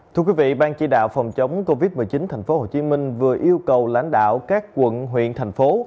thưa quý vị ban chỉ đạo phòng chống covid một mươi chín tp hcm vừa yêu cầu lãnh đạo các quận huyện thành phố